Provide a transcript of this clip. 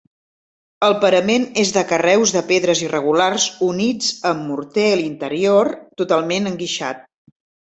El parament és de carreus de pedres irregulars units amb morter i l'interior, totalment enguixat.